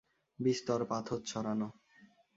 বিস্তর পাথর ছড়ানো।